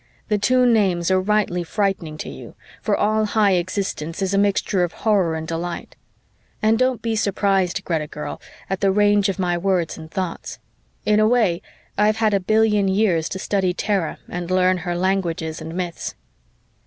The two names are rightly frightening to you, for all high existence is a mixture of horror and delight. And don't be surprised, Greta girl, at the range of my words and thoughts; in a way, I've had a billion years to study Terra and learn her languages and myths.